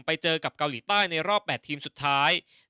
ไปเจอกับเกาหลีใต้ในรอบ๘ทีมสุดท้าย